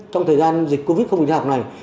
trong thời gian dịch covid không dịch học này